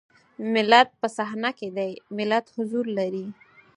ملت په صحنه کې دی ملت حضور لري.